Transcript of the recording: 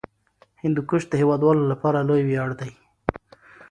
هندوکش د هیوادوالو لپاره لوی ویاړ دی.